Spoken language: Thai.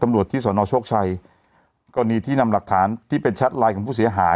ทำรวจที่สอนอชกชัยก็นี้ที่นำหลักฐานที่เป็นแชทไลจุ่ม